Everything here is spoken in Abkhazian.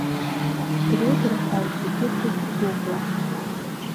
Дрыдырҳәалт зегьы дрықәыргәыӷуа.